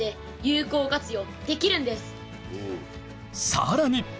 さらに！